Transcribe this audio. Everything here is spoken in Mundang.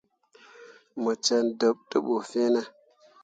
Mo cen ɗeɓ te bu fine ?